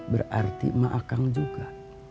berarti mak akang juga